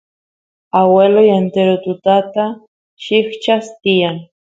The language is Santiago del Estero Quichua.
agueloy entero tutata llikchas tiyan